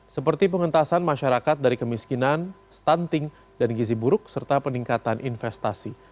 seperti pengentasan masyarakat dari kemiskinan stunting dan gizi buruk serta peningkatan investasi